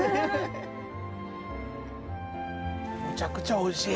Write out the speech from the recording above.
むちゃくちゃおいしい。